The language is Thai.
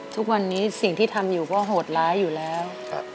ทุกวันนี้สิ่งที่ทำอยู่ก็โหดร้ายอยู่แล้ว